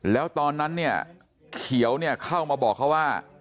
แล้วตอนนั้นเนี่ยเขียวเนี่ยเข้ามาบอกเขาว่า